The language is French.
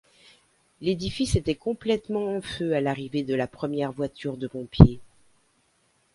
L'édifice était complètement en feu à l'arrivée de la première voiture de pompiers.